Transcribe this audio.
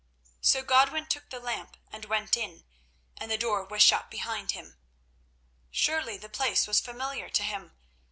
So Godwin took the lamp and went in, and the door was shut behind him. Surely the place was familiar to him?